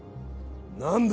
何だ